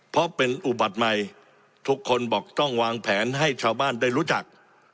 เพราะเป็นอุบัติใหม่ทุกคนบอกต้องวางแผนให้ชาวบ้านได้รู้จัก